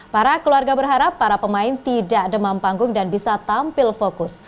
para keluarga berharap para pemain tidak demam panggung dan bisa tampil fokus